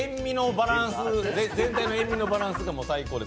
全体の塩みのバランスが最高です